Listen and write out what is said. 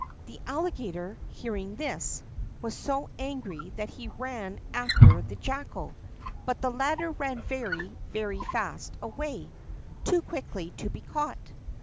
The Alligator, hearing this, was so angry that he ran after the Jackal, but the latter ran very, very fast away, too quickly to be caught.